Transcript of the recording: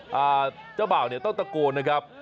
ฮะอ่าเจ้าบ่าวต้องตะโกนนะครับ